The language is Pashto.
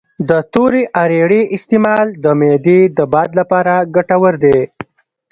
د تورې اریړې استعمال د معدې د باد لپاره ګټور دی